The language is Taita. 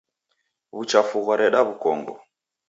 Wuchafu ghwareda wukongo.